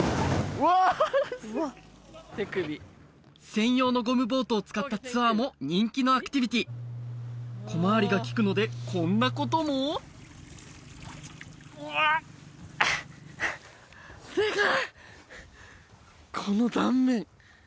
専用のゴムボートを使ったツアーも人気のアクティビティー小回りが利くのでこんなこともすごっ